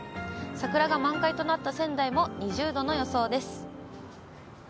桜が満開となった仙台も２０度の予想です。